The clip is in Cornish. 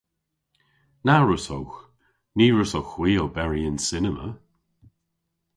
Na wrussowgh. Ny wrussowgh hwi oberi yn cinema.